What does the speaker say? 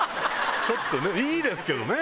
ちょっとねいいですけどね。